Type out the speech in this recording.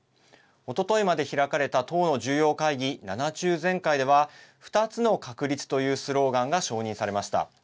おとといまで開かれた党の重要会議、７中全会では２つの確立というスローガンが承認されました。